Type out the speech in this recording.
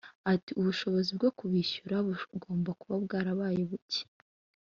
Ati: "…ubushobozi bwo kubishyura bugomba kuba bwarabaye bucye